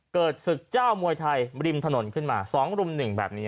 เกิดศึกเจ้ามวยไทยริมถนนขึ้นมา๒รุ่ม๑แบบนี้